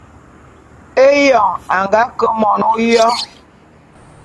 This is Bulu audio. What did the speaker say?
Éyoň a nga ke mon ôyo.